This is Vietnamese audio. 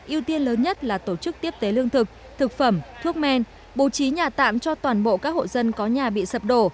yêu tiên lớn nhất là tổ chức tiếp tế lương thực thực phẩm thuốc men bố trí nhà tạm cho toàn bộ các hộ dân có nhà bị sập đổ